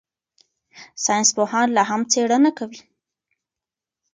ساینسپوهان لا هم څېړنه کوي.